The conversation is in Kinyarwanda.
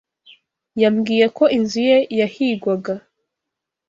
Yambwiye ko inzu ye yahigwaga.